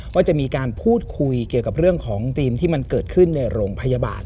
ว่าจะมีการพูดคุยเกี่ยวกับเรื่องของธีมที่มันเกิดขึ้นในโรงพยาบาล